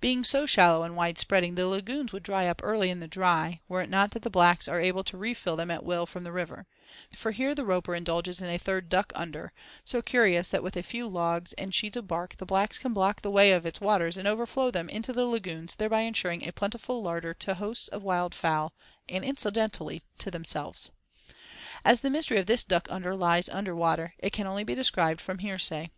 Being so shallow and wide spreading, the lagoons would dry up early in the "dry" were it not that the blacks are able to refill them at will from the river; for here the Roper indulges in a third "duck under," so curious that with a few logs and sheets of bark the blacks can block the way of its waters and overflow them into the lagoons thereby ensuring a plentiful larder to hosts of wild fowl and, incidentally, to themselves. As the mystery of this "duck under" lies under water, it can only be described from hearsay.